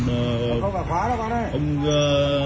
không phải khó đâu con ơi